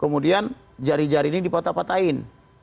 kemudian jari jari ini dipatah patahin